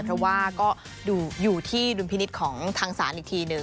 เพราะว่าก็อยู่ที่ดุลพินิษฐ์ของทางศาลอีกทีหนึ่ง